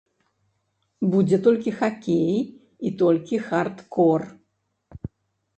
Будзе толькі хакей, і толькі хардкор!